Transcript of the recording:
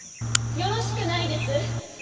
よろしくないです。